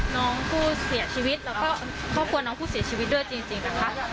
น้องผู้เสียชีวิตแล้วก็ครอบครัวน้องผู้เสียชีวิตด้วยจริงนะคะ